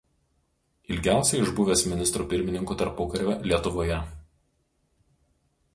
Ilgiausiai išbuvęs Ministru pirmininku tarpukario Lietuvoje.